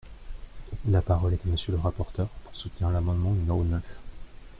La parole est à Monsieur le rapporteur, pour soutenir l’amendement numéro neuf.